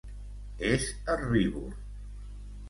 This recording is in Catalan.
És herbívor.